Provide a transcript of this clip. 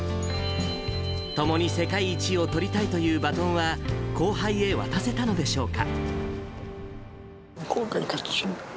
共に世界一をとりたいというバトンは、後輩へ渡せたのでしょうか。